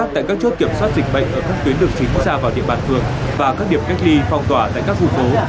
tại các chỗ kiểm soát dịch bệnh ở các tuyến được chính xa vào địa bàn phường và các điểm cách ly phong tỏa tại các khu phố